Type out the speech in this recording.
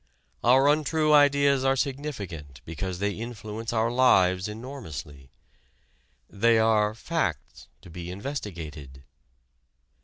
Our untrue ideas are significant because they influence our lives enormously. They are "facts" to be investigated.